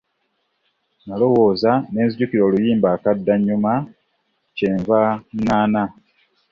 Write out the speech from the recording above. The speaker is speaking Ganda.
Nalowooza ne nzijukira oluyimba akaddannyuma kye nva ŋŋaana.